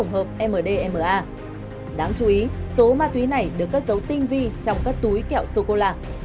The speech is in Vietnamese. hợp mdma đáng chú ý số ma túy này được cất dấu tinh vi trong các túi kẹo sô cô la